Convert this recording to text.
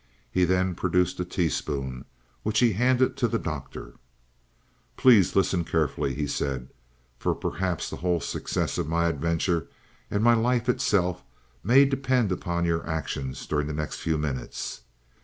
He then produced a teaspoon, which he handed to the Doctor. "Please listen carefully," he said, "for perhaps the whole success of my adventure, and my life itself, may depend upon your actions during the next few minutes.